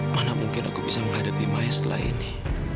mana mungkin aku bisa menghadapi maya setelah ini